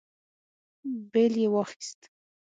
بېل يې واخيست.